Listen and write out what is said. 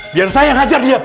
biar saya yang hajar dia